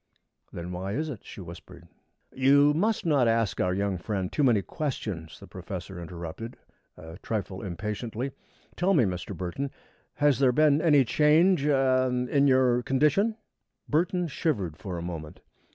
"Then why is it?" she whispered. "You must not ask our young friend too many questions," the professor interrupted, a trifle impatiently. "Tell me, Mr. Burton, has there been any change er in your condition?" Burton shivered for a moment.